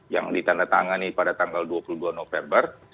yang ditandatangani pada tanggal dua puluh dua november